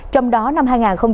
trong đó năm hai nghìn hai mươi ba